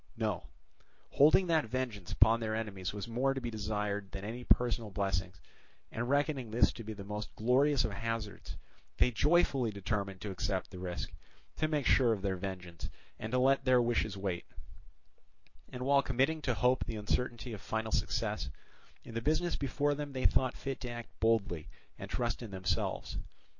No, holding that vengeance upon their enemies was more to be desired than any personal blessings, and reckoning this to be the most glorious of hazards, they joyfully determined to accept the risk, to make sure of their vengeance, and to let their wishes wait; and while committing to hope the uncertainty of final success, in the business before them they thought fit to act boldly and trust in themselves.